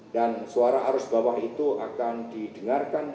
dan suara arus bawah itu akan didengarkan